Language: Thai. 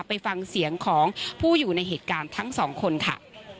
ไปฟังเสียงของผู้อยู่ในเหตุการณ์ทั้งสองคนค่ะ